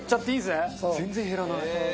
全然減らない。